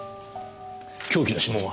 凶器の指紋は？